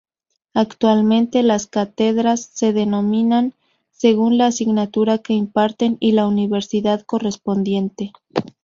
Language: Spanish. Actualmente las cátedras se denominan según la asignatura que imparten y la universidad correspondiente.